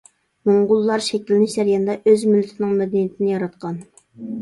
موڭغۇللار شەكىللىنىش جەريانىدا ئۆز مىللىتىنىڭ مەدەنىيىتىنى ياراتقان.